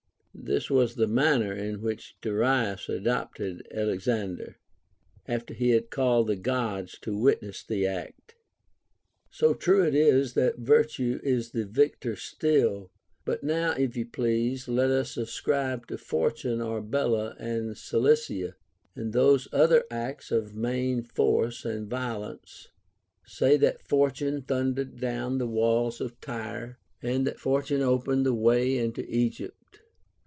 This was the man ner in which Darius adopted Alexander, after he had called the Gods to Avitness the act. 1. So true it is that virtue is the Adctor still. But now, if 5 on please, let us ascribe to Fortune Arbela and Cilicia, and those other acts of main force and violence ; say that Fortune thundered doAvn the walls of Tyre, and that For tune opened the Avay into Egypt.